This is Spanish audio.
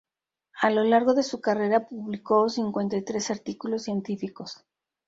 A lo largo de su carrera publicó cincuenta y tres artículos científicos.